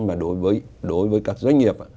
mà đối với các doanh nghiệp